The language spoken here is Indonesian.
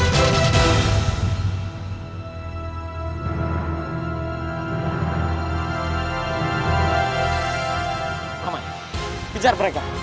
paman pijar mereka